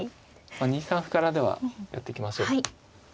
２三歩からではやっていきましょう。